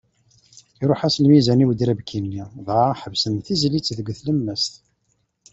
Iruḥ-as lmizan i udrabki-nni, dɣa ḥebsen tizlit deg tlemmast.